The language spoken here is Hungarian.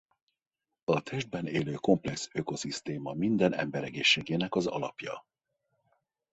A testben élő komplex ökoszisztéma minden ember egészségének az alapja.